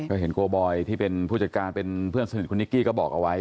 ก็เห็นโกบอยที่เป็นผู้จัดการเป็นเพื่อนสนิทคุณนิกกี้ก็บอกเอาไว้